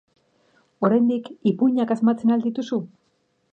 Oraindik ipuinak asmatzen al dituzu?